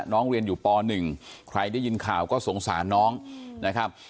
น้องเรียนอยู่ป๑ใครได้ยินข่าวก็สงสารน้องนะครับ